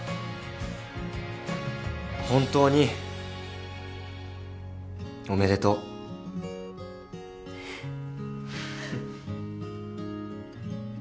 本当におめでとう。